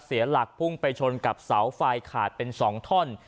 เสียหลักพุ่งไปชนกับเสาไฟขาดเป็น๒ท่อน